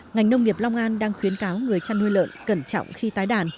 ngành nông nghiệp long an đang khuyến cáo người chăn nuôi lợn cẩn trọng khi tái đàn